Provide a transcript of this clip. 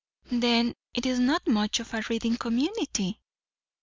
"Then it is not much of a reading community?"